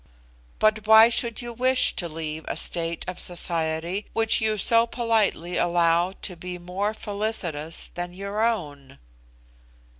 But why should you wish to leave a state of society which you so politely allow to be more felicitous than your own?"